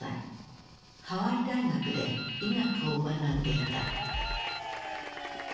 ハワイ大学で医学を学んでいた。